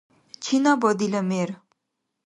Чинаба дила мер?